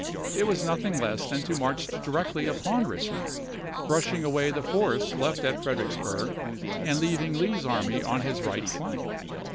It was nothing less than to march directly upon Richmond, brush ing away the force left at Fredericksburg and leav ing Lee's army on his right flank.